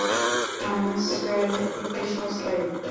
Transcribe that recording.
Hamster একটা সস্তা ইঁদুর।